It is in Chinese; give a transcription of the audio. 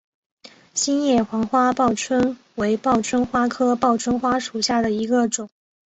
心叶黄花报春为报春花科报春花属下的一个种。